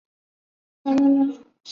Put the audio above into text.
沙斯皮纳克。